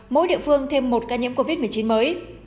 mỗi địa phương thêm một ca nhiễm covid một mươi chín mới